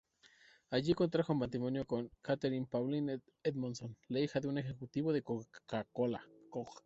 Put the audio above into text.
Allí contrajo matrimonio con Catherine Pauline Edmondson, la hija de un ejecutivo de Coca-Cola.